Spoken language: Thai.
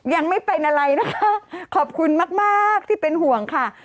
ยังไม่เป็นอะไรนะคะขอบคุณมากที่เป็นห่วงค่ะ